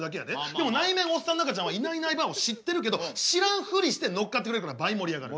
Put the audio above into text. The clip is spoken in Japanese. でも内面おっさんの赤ちゃんはいないいないばあを知ってるけど知らんふりして乗っかってくれるから倍盛り上がる。